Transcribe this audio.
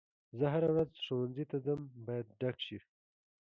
زه هره ورځ ښوونځي ته ځم باید ډک شي.